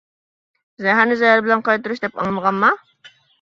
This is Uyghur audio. زەھەرنى زەھەر بىلەن قايتۇرۇش دەپ ئاڭلىمىغانما.